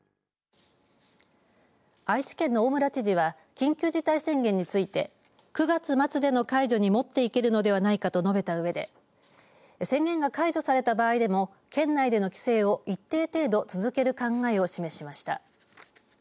愛知県の大村知事は緊急事態宣言について９月末での解除にもっていけるのではないかと述べたうえで宣言が解除された場合でも県内での規制を一定程度続ける考えを示しました。